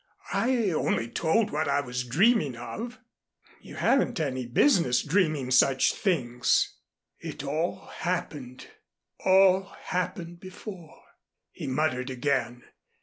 I only told what I was dreaming of." "You haven't any business dreaming such things." "It all happened all happened before," he muttered again.